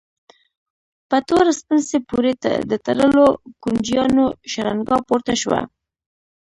په تور سپڼسي پورې د تړلو کونجيانو شرنګا پورته شوه.